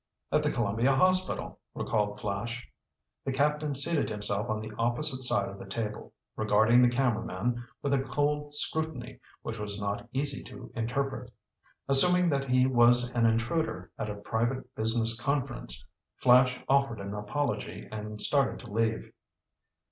"At the Columbia Hospital," recalled Flash. The Captain seated himself on the opposite side of the table, regarding the cameraman with a cold scrutiny which was not easy to interpret. Assuming that he was an intruder at a private business conference, Flash offered an apology and started to leave.